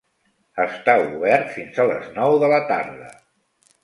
Està obert fins a les nou de la tarda.